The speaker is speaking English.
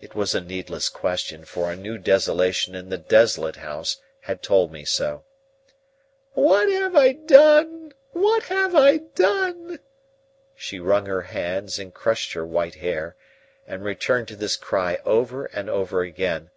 It was a needless question, for a new desolation in the desolate house had told me so. "What have I done! What have I done!" She wrung her hands, and crushed her white hair, and returned to this cry over and over again.